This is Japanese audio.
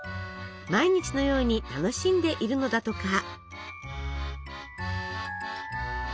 毎日のように楽しんでいるのだとか。